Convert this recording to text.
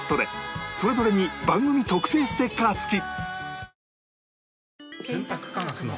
それぞれに番組特製ステッカー付き